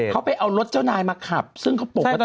เขาไปเอารถเจ้านายมาขับซึ่งเขาปกติ